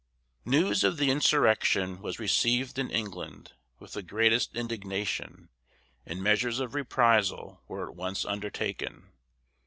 News of the insurrection was received in England with the greatest indignation, and measures of reprisal were at once undertaken.